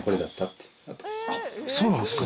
そうなんですか？